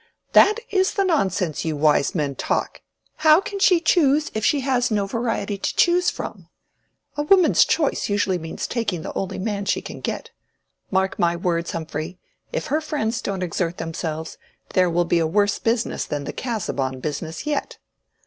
"That is the nonsense you wise men talk! How can she choose if she has no variety to choose from? A woman's choice usually means taking the only man she can get. Mark my words, Humphrey. If her friends don't exert themselves, there will be a worse business than the Casaubon business yet."